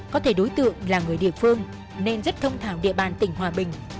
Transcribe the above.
có thể đối tượng là người địa phương nên rất thông thảo địa bàn tỉnh hòa bình